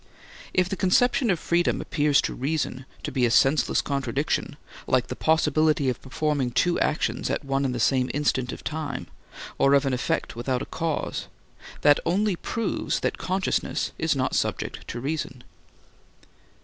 If the conception of freedom appears to reason to be a senseless contradiction like the possibility of performing two actions at one and the same instant of time, or of an effect without a cause, that only proves that consciousness is not subject to reason.